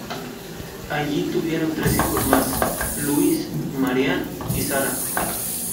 Allí tuvieron tres hijos más; Louis, Marianne y Sara.